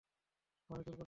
আমাকে জোর করতে হবে?